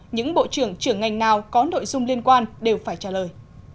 những bộ trưởng trưởng ngành nào có nội dung liên quan đều phải trả lời